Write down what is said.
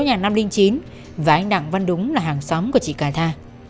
nhà năm trăm linh chín và đ mor là hàng xóm dr trị cà tha